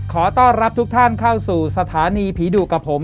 ขอต้อนรับทุกท่านเข้าสู่สถานีผีดุกับผม